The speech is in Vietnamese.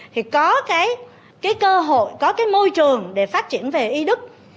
thì có cái cơ hội có cái môi trường để phát triển về y đức